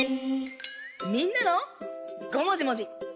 みんなの「ごもじもじ」。